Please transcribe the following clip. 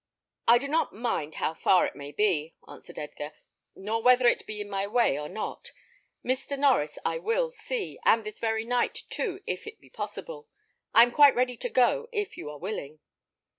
"I do not mind how far it may be," answered Edgar, "nor whether it be in my way or not. Mr. Norries I will see, and this very night, too, if it be possible. I am quite ready to go, if you are willing."